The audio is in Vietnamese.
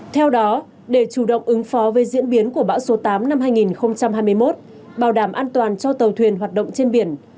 theo đó để chủ động ứng phó với diễn biến của bão số tám năm hai nghìn hai mươi một bảo đảm an toàn cho tàu thuyền hoạt động trên biển